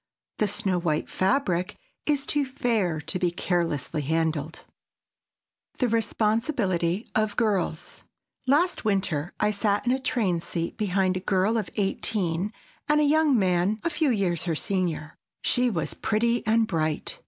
The snow white fabric is too fair to be carelessly handled. [Sidenote: THE RESPONSIBILITY OF GIRLS] Last winter I sat in a train seat behind a girl of eighteen and a young man a few years her senior. She was pretty and bright.